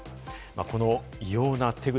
この異様な手口。